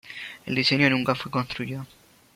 El diseño nunca fue construido.